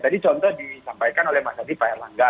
tadi contoh disampaikan oleh mas adi pak erlangga